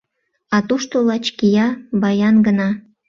А тушто лач кия баян гына.